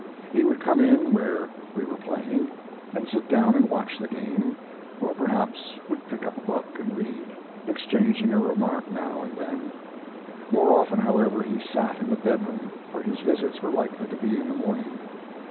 He would come in where we were playing, and sit down and watch the game, or perhaps would pick up a book and read, exchanging a remark now and then. More often, however, he sat in the bedroom, for his visits were likely to be in the morning.